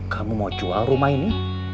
kamu mau jual rumah ini